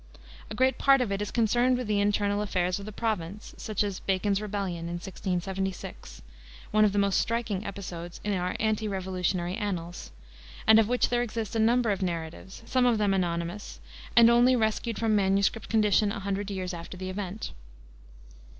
A great part of it is concerned with the internal affairs of the province, such as "Bacon's Rebellion," in 1676, one of the most striking episodes in our ante revolutionary annals, and of which there exist a number of narratives, some of them anonymous, and only rescued from a manuscript condition a hundred years after the event.